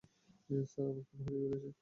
Sir, আমার phone হারিয়ে ফেলেছি।